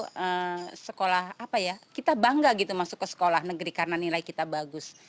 kalau sekolah apa ya kita bangga gitu masuk ke sekolah negeri karena nilai kita bagus